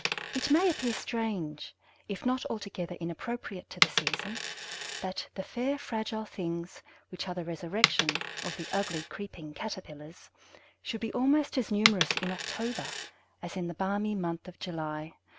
It may appear strange, if not altogether inappropriate to the season, that "the fair fragile things which are the resurrection of the ugly, creeping caterpillars" should be almost as numerous in October as in the balmy month of July.